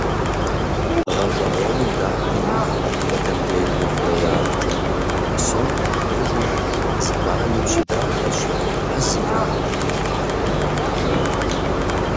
Гъащӏэгъуэну дахэ мэхъу апхуэдэм деж ихъуреягъкӏэ, псом хуэмыдэжу, а зэманым щыдахэщ мэзымрэ паркымрэ.